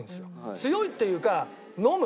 強いっていうか飲む。